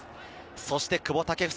そして久保建英。